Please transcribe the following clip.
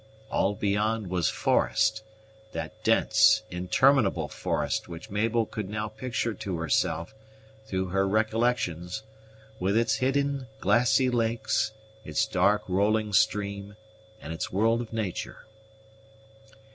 All beyond was forest; that dense, interminable forest which Mabel could now picture to herself, through her recollections, with its hidden glassy lakes, its dark rolling stream, and its world of nature.